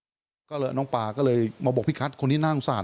ขอบคุณนะครับพี่กล้านาโรงเจ้าของร้านนะฮะนอกจากนี้ครับทีมข่าวของเราตามต่อ